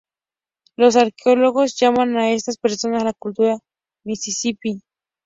Los arqueólogos llaman a estas personas la cultura Mississippi.